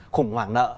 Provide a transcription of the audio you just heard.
khủng hoảng nợ